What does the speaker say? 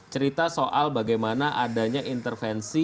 cerita soal bagaimana adanya intervensi